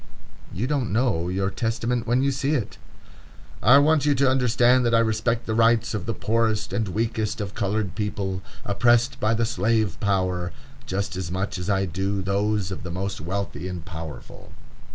You don't know your testament when you see it. "I want you to understand that I respect the rights of the poorest and weakest of colored people, oppressed by the slave power, just as much as I do those of the most wealthy and powerful."